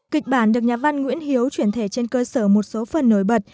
kịch bản được nhà văn nguyễn hiếu chuyển thể trên cơ sở một số phần nổi bật